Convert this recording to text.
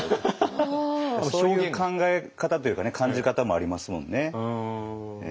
そういう考え方というかね感じ方もありますもんね。